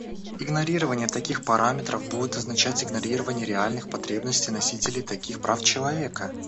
Игнорирование таких параметров будет означать игнорирование реальных потребностей носителей таких прав человека.